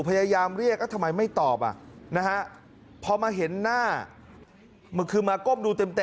พยายามเรียกทำไมไม่ตอบอ่ะนะฮะพอมาเห็นหน้าคือมาก้มดูเต็ม